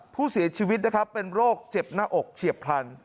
ผู้เสียชีวิตนะครับเป็นโรคเจ็บหน้าอกเฉียบพลัน